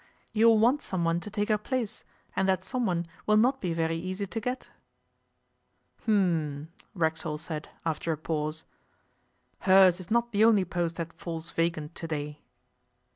You will want someone to take her place, and that someone will not be very easy to get.' 'H'm!' Racksole said, after a pause. 'Hers is not the only post that falls vacant to day.